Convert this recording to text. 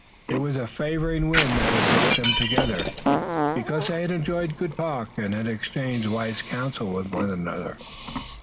It was a favoring wind that had brought them together, because they had enjoyed good talk, and had exchanged wise counsel with one another.